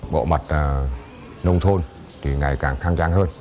bộ mặt nông thôn ngày càng khăng trang hơn